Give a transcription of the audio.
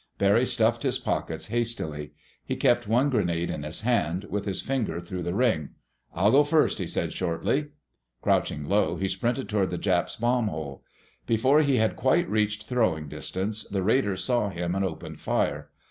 Barry stuffed his pockets hastily. He kept one grenade in his hand, with his finger through the ring. "I'll go first," he said shortly. Crouching low, he sprinted toward the Japs' bomb hole. Before he had quite reached throwing distance, the raiders saw him and opened fire.